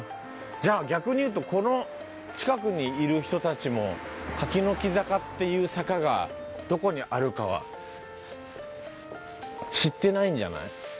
じゃあ逆に言うとこの近くにいる人たちも柿の木坂っていう坂がどこにあるかは知ってないんじゃない？